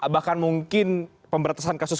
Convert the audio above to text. bahkan mungkin pemberantasan kasus